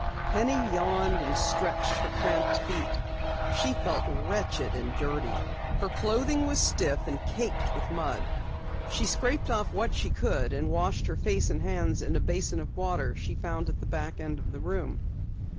Penny yawned and stretched her cramped feet. She felt wretched and dirty. Her clothing was stiff and caked with mud. She scraped off what she could and washed face and hands in a basin of water she found at the back end of the room.